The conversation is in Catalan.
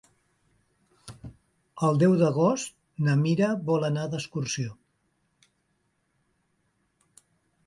El deu d'agost na Mira vol anar d'excursió.